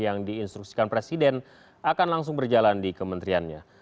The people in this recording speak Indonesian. yang diinstruksikan presiden akan langsung berjalan di kementeriannya